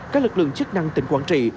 các lực lượng chức năng tỉnh quảng trị